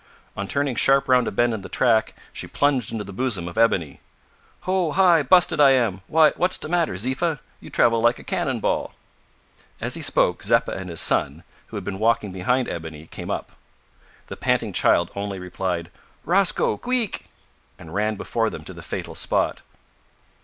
On turning sharp round a bend in the track, she plunged into the bosom of Ebony. "Ho! hi! busted I am; why, what's de matter, Ziffa? you travel like a cannon ball!" As he spoke, Zeppa and his son, who had been walking behind Ebony, came up. The panting child only replied, "Rosco queek!" and ran before them to the fatal spot.